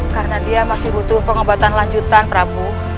karena dia masih butuh pengobatan lanjutan prabu